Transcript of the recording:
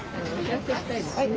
はい。